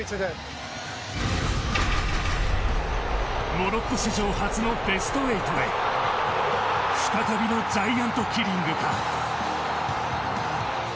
モロッコ史上初のベスト８へ再びのジャイアントキリングか。